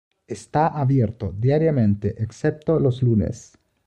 Está abierto diariamente excepto los lunes.